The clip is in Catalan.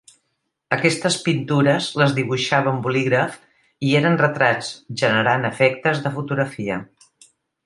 Aquestes pintures les dibuixava amb bolígraf, i eren retrats generant efectes de fotografia.